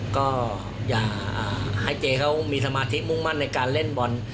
ก็อย่าให้เจ๊เขามีสมาธิมุ่งมั่นในการเล่นบอล